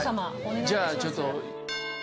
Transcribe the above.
じゃあちょっと。